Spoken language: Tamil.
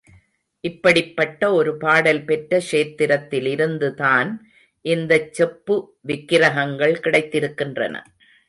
இப்படிப்பட்ட ஒரு பாடல் பெற்ற க்ஷேத்திரத்திலிருந்துதான் இந்தச் செப்பு விக்கிரகங்கள் கிடைத்திருக்கின்றன.